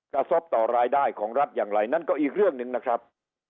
กระทบต่อรายได้ของรัฐอย่างไรนั่นก็อีกเรื่องหนึ่งนะครับ